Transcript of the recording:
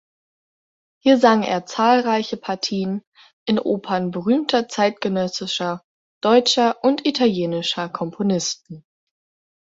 Hier sang er zahlreiche Partien in Opern berühmter zeitgenössischer deutscher und italienischer Komponisten.